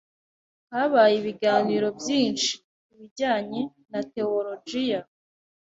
habaye ibiganiro byinshi ku bijyanye na tewolojiya